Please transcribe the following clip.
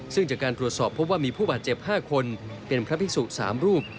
ซึ่งจากการตรวจสอบพบว่ามีผู้บาดเจ็บ๕คนเป็นพระภิกษุ๓รูป